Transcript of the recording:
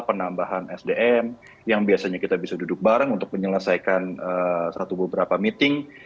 penambahan sdm yang biasanya kita bisa duduk bareng untuk menyelesaikan satu beberapa meeting